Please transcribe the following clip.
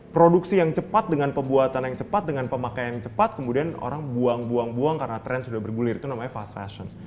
produksi yang cepat dengan pembuatan yang cepat dengan pemakaian yang cepat kemudian orang buang buang buang karena tren sudah bergulir itu namanya fast fashion